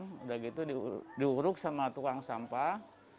sudah gitu diuruk sama tukang sampah